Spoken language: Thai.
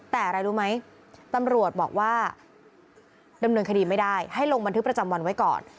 แต่อะไรรู้ไหมตำรวจบอกว่าดำเนินคดีไม่ได้ให้ลงบันทึกประจำวันไว้ก่อน